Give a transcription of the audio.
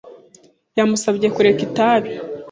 Yamusabye kureka akazi.